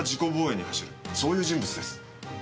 そういう人物です。